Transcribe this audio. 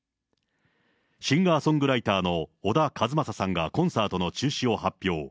シンガーソングライターの小田和正さんがコンサートの中止を発表。